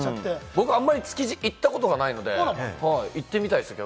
僕あまり築地に行ったことがないので行ってみたいですね。